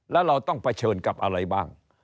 แล้วเราต้องเผชิญกับอะไรบ้าง